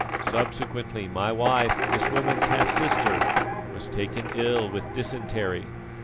Subsequently my wife, this woman's half sister, was taken ill with dysentery.